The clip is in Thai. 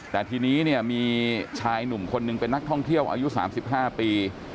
แต่ทีนี้เนี่ยมีชายหนุ่มคนหนึ่งเป็นนักท่องเที่ยวอายุ๓๕ปี